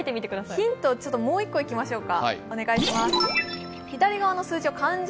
ヒントをもう１個いきましょうか。